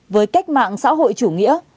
với cách mạng xã hội chủ nghĩa